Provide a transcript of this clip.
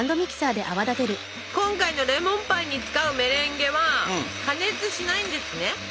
今回のレモンパイに使うメレンゲは加熱しないんですね。